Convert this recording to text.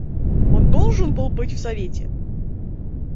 Он должен был быть в совете?